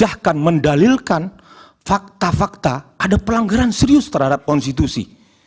apakah ahli akan mendalilkan fakta fakta ada pelanggaran serius terhadap konstitusi